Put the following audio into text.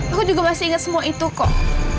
aku juga masih ingat semua itu kok